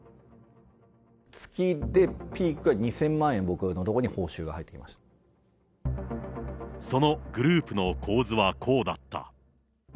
月でピークは２０００万円、僕のところには報酬が入ってきまそのグループの構図はこうだった。